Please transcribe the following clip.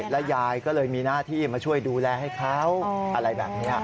และยายก็เลยมีหน้าที่มาช่วยดูแลให้เขาอะไรแบบนี้